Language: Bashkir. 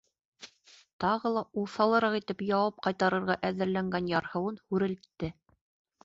Тағы ла уҫалыраҡ итеп яуап ҡайтарырға әҙерләнгән ярһыуын һүрелтте.